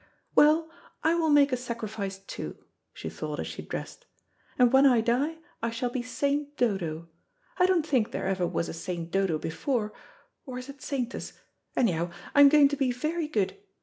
"Well, I will make a sacrifice, too," she thought as she dressed, "and when I die I shall be St. Dodo. I don't think there ever was a saint Dodo before, or is it saintess? Anyhow, I am going to be very good.